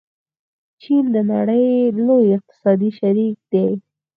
چین د نړۍ لوی اقتصادي شریک دی.